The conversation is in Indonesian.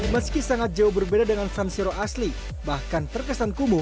meski sangat jauh berbeda dengan fansiro asli bahkan terkesan kumuh